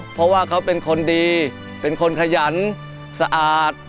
เพราะว่าเขาเป็นคนดีเป็นคนขยันสะอาด